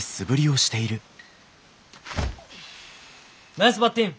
ナイスバッティング！